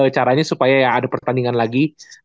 caranya supaya ada pertandingan lagi